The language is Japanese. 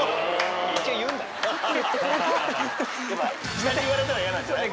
下に言われたら嫌なんじゃない？